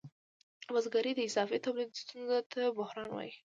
د بزګرۍ د اضافي تولید ستونزې ته بحران وايي